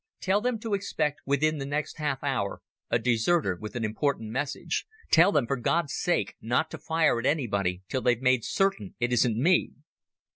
Tell them to expect within the next half hour a deserter with an important message. Tell them, for God's sake, not to fire at anybody till they've made certain it isn't me."